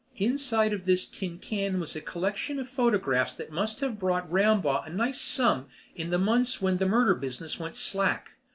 Inside of this tin can was a collection of photographs that must have brought Rambaugh a nice sum in the months when the murder business went slack.